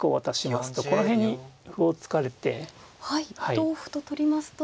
同歩と取りますと。